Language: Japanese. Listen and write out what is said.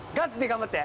頑張って」